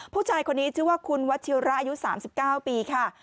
ผู้ชายคนนี้ชื่อว่าคุณวัชิระอายุ๓๙ปีค่ะ